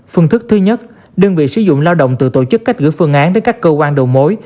phương thức thứ nhất đơn vị sử dụng lao động tự tổ chức cách gửi phương án đến các cơ quan đầu mối